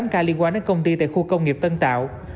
tám ca liên quan đến công ty tại khu công nghiệp tân tạo